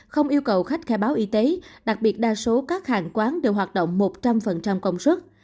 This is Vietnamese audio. không yêu cầu khách khai báo y tế đặc biệt đa số các hàng quán đều hoạt động một trăm linh công sức